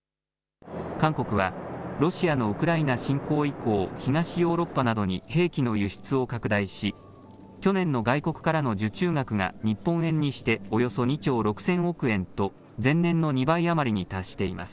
韓国は、ロシアのウクライナ侵攻以降、東ヨーロッパなどに兵器の輸出を拡大し、去年の外国からの受注額が日本円にしておよそ２兆６０００億円と、前年の２倍余りに達しています。